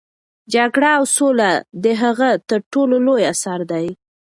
جګړه او سوله د هغه تر ټولو لوی اثر دی.